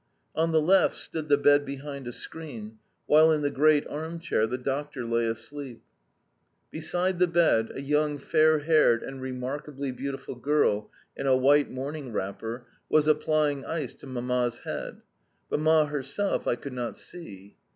On the left stood the bed behind a screen, while in the great arm chair the doctor lay asleep. Beside the bed a young, fair haired and remarkably beautiful girl in a white morning wrapper was applying ice to Mamma's head, but Mamma herself I could not see.